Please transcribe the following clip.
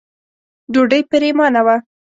ډوډۍ پرېمانه وه.